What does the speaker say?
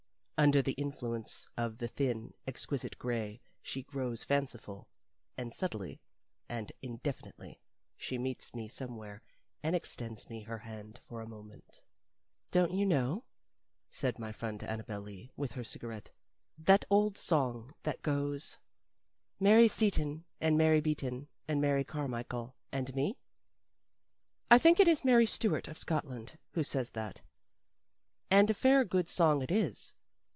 Under the influence of the thin, exquisite gray she grows fanciful, and subtly and indefinitely she meets me somewhere, and extends me her hand for a moment. "Don't you know," said my friend Annabel Lee, with her cigarette, "that old song that goes: 'Mary Seaton, And Mary Beaton, And Mary Carmichael, And me'? I think it is Mary Stuart of Scotland who says that. And a fair good song it is.